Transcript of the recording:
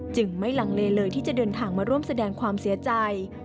จึงไม่ลังเลเลยที่จะเดินทางมาร่วมแสดงความเสียใจ